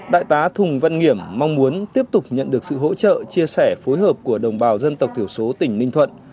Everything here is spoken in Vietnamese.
đại tá thùng văn nghiểm mong muốn tiếp tục nhận được sự hỗ trợ chia sẻ phối hợp của đồng bào dân tộc thiểu số tỉnh ninh thuận